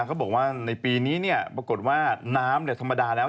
เขาบอกว่าในปีนี้ปรากฏว่าน้ำธรรมดาแล้ว